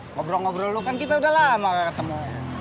ngobrol ngobrol lo kan kita udah lama ketemu